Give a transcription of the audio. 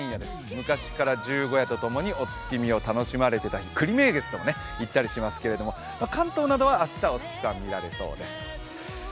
昔から十五夜とともにお月見を楽しまれていたり栗名物といったりしますが関東などは明日お月様が見られそうです。